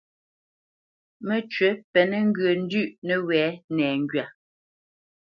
Məcywǐ pɛ́nə ŋgyə̂ ndʉ̌ʼ nəwɛ̌ nɛŋgywa.